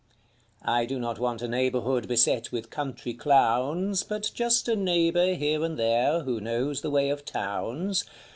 I do not want a neighbourhood "beset with country clowns. But just a neighbour here and there who knows the way of towns.